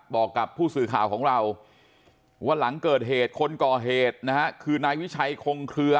บอกกับผู้สื่อข่าวของเราว่าหลังเกิดเหตุคนก่อเหตุนะฮะคือนายวิชัยคงเคลือ